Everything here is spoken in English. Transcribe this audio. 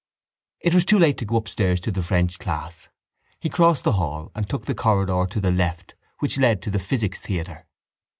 It was too late to go upstairs to the French class. He crossed the hall and took the corridor to the left which led to the physics theatre.